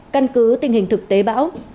một căn cứ tình hình thực tế bão